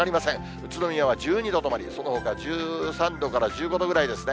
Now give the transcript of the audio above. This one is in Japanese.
宇都宮は１２度止まり、そのほか１３度から１５度ぐらいですね。